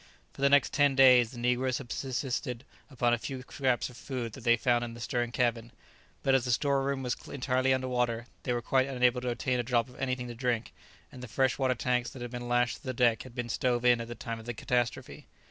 For the next ten days the negroes had subsisted upon a few scraps of food that they found in the stern cabin; but as the store room was entirely under water, they were quite unable to obtain a drop of anything to drink, and the freshwater tanks that had been lashed to the deck had been stove in at the time of the catastrophe.